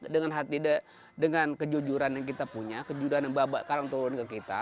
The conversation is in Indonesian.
dengan hati dengan kejujuran yang kita punya kejujuran dan babak karang turun ke kita